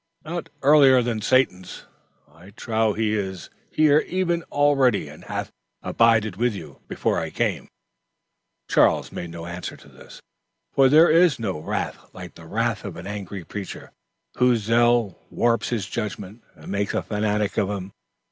"Not earlier than Satan's. I trow he is here even already and hath abided with you, before I came." Charles made no answer to this, for there is no wrath like the wrath of an angry preacher, whose zeal warps his judgment and makes a fanatic of him.